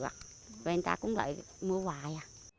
rồi người ta cũng lại mua hoài